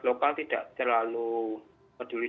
lokal tidak terlalu peduli